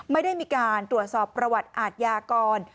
ไม่ได้มีการตรวจสอบประวัติอาทยากร